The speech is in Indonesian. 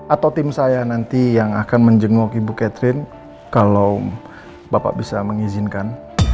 atau tim saya nanti yang akan menjenguk ibu catherine kalau bapak bisa mengizinkan